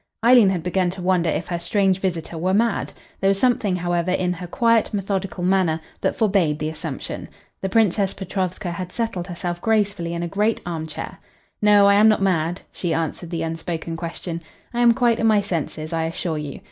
Eileen had begun to wonder if her strange visitor were mad. There was something, however, in her quiet, methodical manner that forbade the assumption. The Princess Petrovska had settled herself gracefully in a great arm chair. "No, I am not mad." She answered the unspoken question. "I am quite in my senses, I assure you.